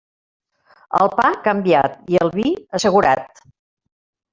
El pa canviat i el vi assegurat.